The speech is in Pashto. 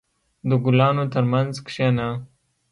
• د ګلانو ترمنځ کښېنه.